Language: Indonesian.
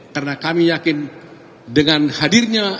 karena kami yakin dengan hadirnya